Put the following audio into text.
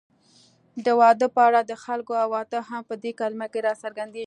د واده په اړه د خلکو عواطف هم په دې کلمه کې راڅرګندېږي